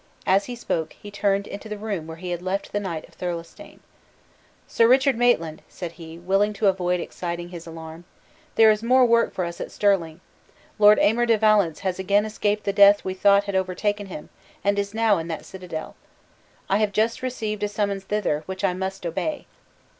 As he spoke he turned into the room where he had left the Knight of Thirlestane. "Sir Richard Maitland," said he, willing to avoid exciting his alarm, "there is more work for us at Stirling. Lord Aymer de Valence has again escaped the death we thought had overtaken him, and is now in that citadel. I have just received a summons thither, which I must obey."